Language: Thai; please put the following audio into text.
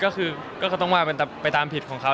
ก็ต้องไปตามผิดของเขา